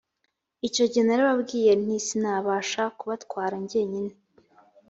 icyo gihe narababwiye nti «sinabasha kubatwara jyenyine